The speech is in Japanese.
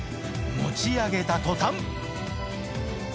持ち上げた途端。